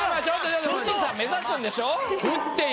富士山目指すんでしょ？